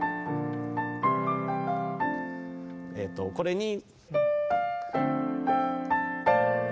えっとこれに。